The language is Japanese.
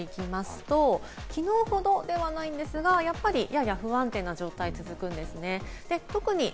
雷の発生確率を見ていきますと、きのうほどではないんですが、やっぱりやや不安定な状態が続くんですね。